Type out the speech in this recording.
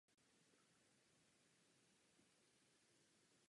Údajně existovala kaple na Chrámové hoře za dob císaře Konstantina.